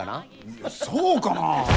いやそうかな？